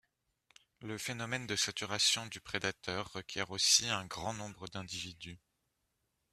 Le phénomène de saturation du prédateur requiert aussi un grand nombre d'individus.